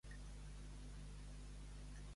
Donar lats a la nau.